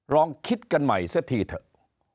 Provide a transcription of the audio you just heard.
ลองคิดกันใหม่เสียทีเถอะ